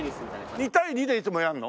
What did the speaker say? ２対２でいつもやるの？